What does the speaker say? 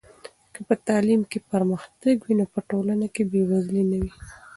که په تعلیم کې پرمختګ وي نو په ټولنه کې بې وزلي نه وي.